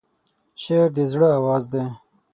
شعر د زړه آواز دی.